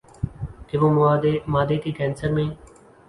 کہ وہ معدے کے کینسر میں